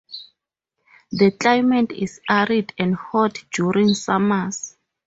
The climate is arid and hot during summers.